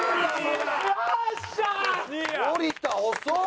森田遅っ！